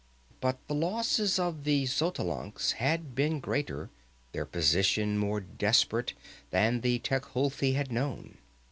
But the losses of the Xotalancas had been greater, their position more desperate, than the Tecuhltli had known.